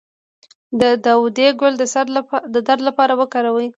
د داودي ګل د سر درد لپاره وکاروئ